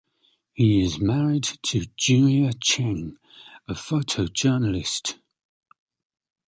He is married to Julia Cheng, a photojournalist.